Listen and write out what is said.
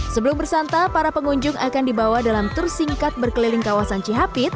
sebelum bersantai para pengunjung akan dibawa dalam tersingkat berkeliling kawasan chp